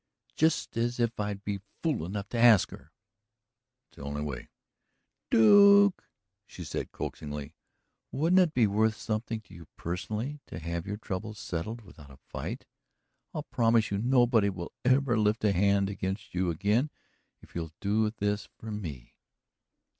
"Just as if I'd be fool enough to ask her!" "That's the only way." "Duke," said she coaxingly, "wouldn't it be worth something to you, personally, to have your troubles settled without a fight? I'll promise you nobody will ever lift a hand against you again if you'll do this for me."